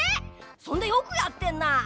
そんでよくやってんな！